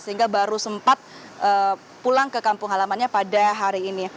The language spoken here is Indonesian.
sehingga baru sempat pulang ke kampung halamannya pada hari ini